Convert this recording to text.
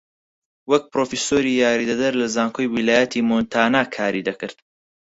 وەک پرۆفیسۆری یاریدەدەر لە زانکۆی ویلایەتی مۆنتانا کاری دەکرد